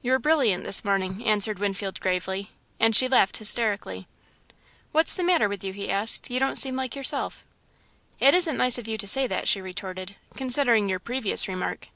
"You're brilliant this morning," answered Winfield, gravely, and she laughed hysterically. "What's the matter with you?" he asked. "You don't seem like yourself." "It isn't nice of you to say that," she retorted, "considering your previous remark."